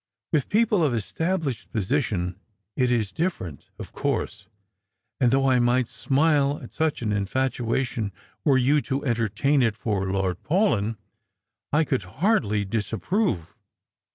With people of established position it is different, of course ; and though I might smile at such an infatuation, were you to entertain it for Lord Paulyn, I could hardly disapprove.